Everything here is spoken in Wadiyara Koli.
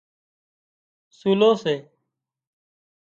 سُولو سي